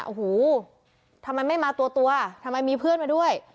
โอ้โหทำไมไม่มาตัวทำไมมีเพื่อนมาด้วย